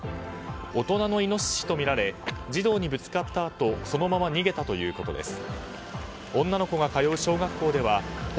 大人のイノシシとみられ児童にぶつかったあとそのまま逃げたということです。